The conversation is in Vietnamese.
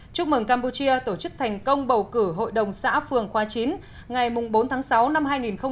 chúc mừng campuchia tổ chức thành công bầu cử hội đồng xã phường khoa chín ngày bốn tháng sáu năm hai nghìn một mươi bảy